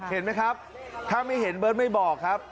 เห็นไหมครับถ้าไม่เห็นเบิร์ตไม่บอกครับ